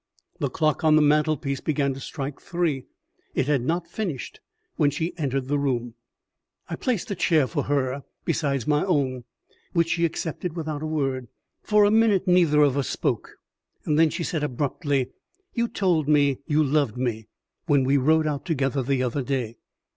The clock on the mantelpiece began to strike three; it had not finished when she entered the room. I placed a chair for her beside my own, which she accepted without a word. For a minute neither of us spoke; then she said abruptly, "You told me you loved me when we rode out together the other day."